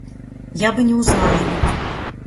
Я бы не узнала его.